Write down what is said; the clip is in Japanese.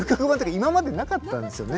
今までなかったですよね。